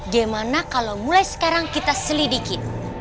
gimana kalau mulai sekarang kita selidiki